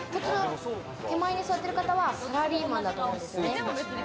手前に座ってる方はサラリーマンだと思うんですね。